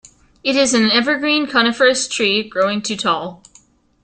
It is an evergreen coniferous tree growing to tall.